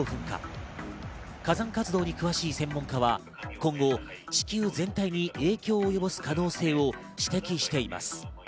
火山活動に詳しい専門家は今後、地球全体に影響を及ぼす可能性を指摘しています。